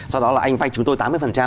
sau đó là anh vay chúng tôi tám mươi